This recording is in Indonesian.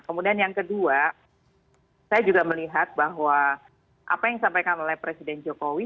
kemudian yang kedua saya juga melihat bahwa apa yang disampaikan oleh presiden jokowi